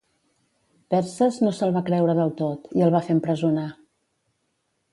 Perses no se'l va creure del tot, i el va fer empresonar.